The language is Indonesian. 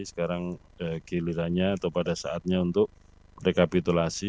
sekarang gilirannya atau pada saatnya untuk rekapitulasi